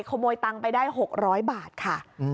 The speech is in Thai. ขโมยตังค์ไปได้๖๐๐บาทค่ะ